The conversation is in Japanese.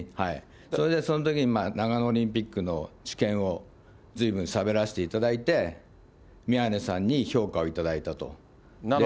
それでそのときに長野オリンピックの知見をずいぶんしゃべらせていただいて、宮根さんに評価を頂いたと。